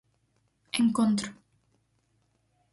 Encontro.